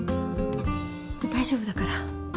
大丈夫だから。